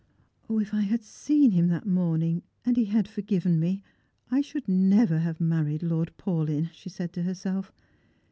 " If I had seen him that morning, and he had forgiven me, I should never have married Lord Paulyn," she said to herself.